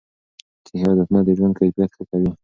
صحي عادتونه د ژوند کیفیت ښه کوي.